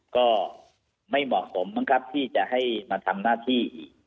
ก็ไม่เหมาะสมบ้างครับที่จะให้มาทำหน้าที่อีก